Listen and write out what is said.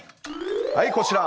はいこちら！